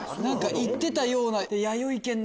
言ってたような。